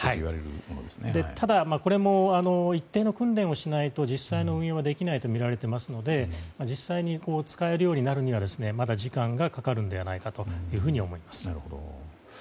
ただ、これも一定の訓練をしないと実際の運用はできないとみられていますので実際に使えるようになるにはまだ時間がかかるのではないかと思います。